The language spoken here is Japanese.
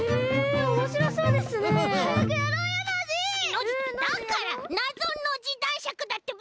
ノジだからなぞノジだんしゃくだってば！